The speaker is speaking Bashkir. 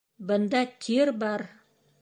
Бында тир бар!